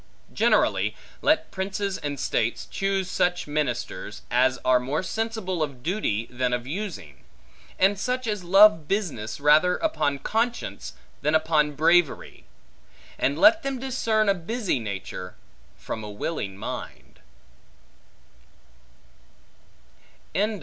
Generally, let princes and states choose such ministers, as are more sensible of duty than of using; and such as love business rather upon conscience, than upon bravery, and let them discern a busy nature, from a willing mind.